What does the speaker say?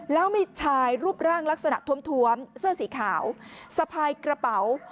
แล้วมีชายรูปร่างลักษณะท้วมเสื้อสีขาวสะพายกระเป๋า